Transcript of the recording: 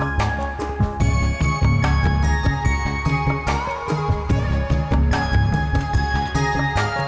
wah saya datang tepat waktu